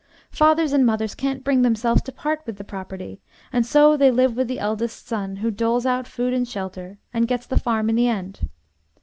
Fathers and mothers can't bring themselves to part with the property, and so they live with the eldest son, who doles out food and shelter, and gets the farm in the end.